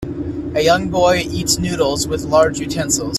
A young boy eats noodles with large utensils.